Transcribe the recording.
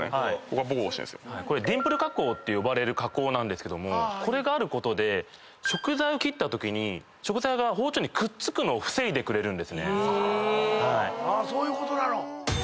これディンプル加工って呼ばれる加工なんですけどもこれがあることで食材を切ったときに食材が包丁にくっつくのを防いでくれるんですね。